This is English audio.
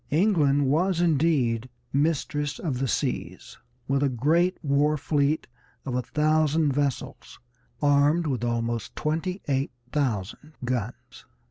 England was indeed "Mistress of the Seas," with a great war fleet of a thousand vessels, armed with almost twenty eight thousand guns.